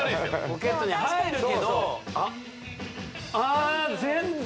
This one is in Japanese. ポケットに入るけどあっ